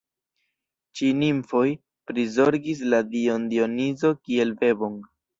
Ĉi nimfoj prizorgis la Dion Dionizo kiel bebon.